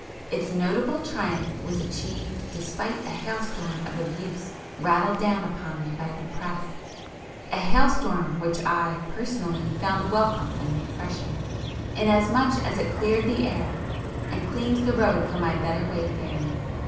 Its notable triumph was achieved despite a hailstorm of abuse rattled down upon me by the press, a hailstorm which I, personally, found welcome and refreshing, inasmuch as it cleared the air and cleaned the road for my better wayfaring.